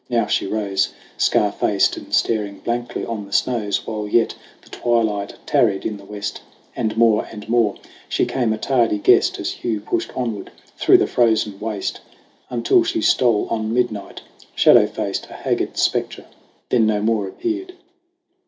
Now she rose Scar faced and staring blankly on the snows While yet the twilight tarried in the west ; And more and more she came a tardy guest As Hugh pushed onward through the frozen waste Until she stole on midnight shadow faced, A haggard spectre; then no more appeared.